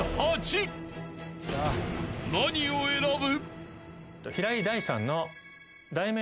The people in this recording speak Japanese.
［何を選ぶ？］